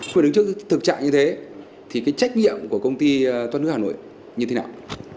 phải đứng trước thực trạng như thế thì cái trách nhiệm của công ty thoát nước hà nội như thế nào